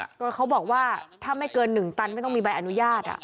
โดยเขาบอกว่าถ้าไม่เกิน๑ตันไม่ต้องมีใบอนุญาต